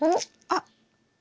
あっ！